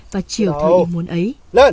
và chịu thời điểm muốn ấy